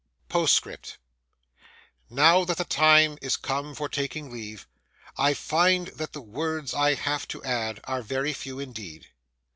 POSTSCRIPT Now that the time is come for taking leave, I find that the words I have to add are very few indeed.